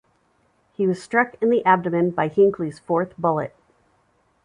He was struck in the abdomen by Hinckley's fourth bullet.